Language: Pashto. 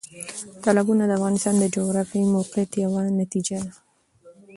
تالابونه د افغانستان د جغرافیایي موقیعت یو نتیجه ده.